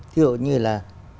thí dụ như là